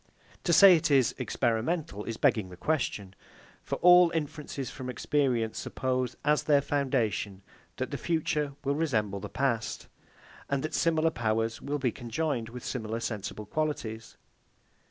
To say it is experimental, is begging the question. For all inferences from experience suppose, as their foundation, that the future will resemble the past, and that similar powers will be conjoined with similar sensible qualities.